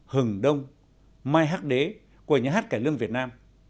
hừng đông mai hắc đế của nhà hát cải lương việt nam